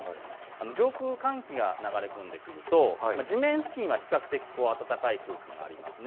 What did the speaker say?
上空の寒気が流れ込んでくると地面付近は比較的暖かい空気があります。